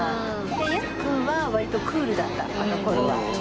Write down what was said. ヤックンは割とクールだったあの頃は。